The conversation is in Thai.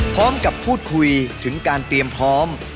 พร้อมกับพูดคุยถึงการเตรียมพร้อม